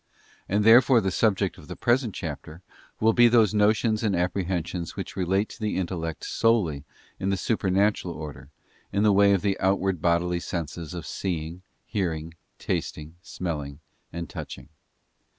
And therefore the subject of the present | THE SENSES AFFECTED SUPERNATURALLY. 89 chapter will be those notions and apprehensions which relate to the intellect solely in the supernatural order, in the way of the outward bodily senses of seeing, hearing, tasting, smelling, and touching.